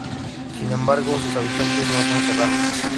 Sin embargo sus habitantes no son serranos.